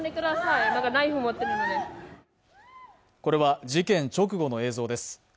これは事件直後の映像です。